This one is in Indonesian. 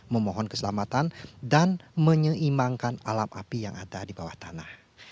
memohon keselamatan dan menyeimbangkan alam api yang ada di bawah tanah